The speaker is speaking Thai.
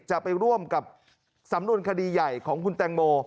จะไปร่วมกับสำนวนคดีใหญ่ของคุณแตงโม